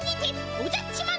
おじゃっちマン。